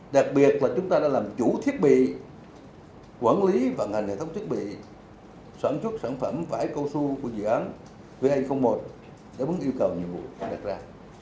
đặc biệt là chúng ta đã làm chủ thiết bị quản lý vận hành hệ thống thiết bị sản xuất sản phẩm vải câu su của dự án va một để vấn yêu cầu nhiệm vụ đặt ra